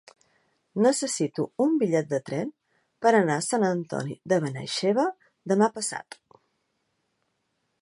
Necessito un bitllet de tren per anar a Sant Antoni de Benaixeve demà passat.